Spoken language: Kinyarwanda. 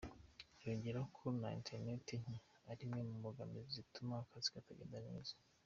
Yongeraho ko na internet nke ari imwe mu mbogamizi zituma akazi katagenda neza.